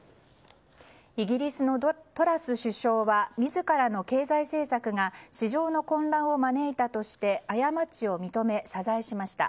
イギリスのトラス首相は自らの経済政策が市場の混乱を招いたとして過ちを認め謝罪しました。